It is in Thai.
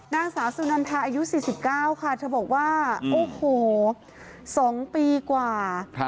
นางสาวสุนันทาอายุ๔๙ค่ะเธอบอกว่าโอ้โห๒ปีกว่า